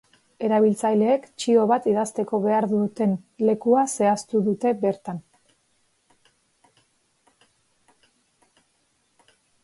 Erabiltzaileek txio bat idazteko behar duten lekua zehaztu dute bertan.